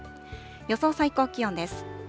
予想最高気温です。